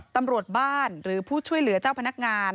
ตำรวจบ้านหรือผู้ช่วยเหลือเจ้าพนักงาน